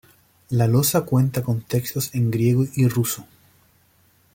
La losa cuenta con textos en griego y ruso.